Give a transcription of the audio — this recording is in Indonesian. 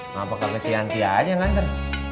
ngapain si yanti aja ngantar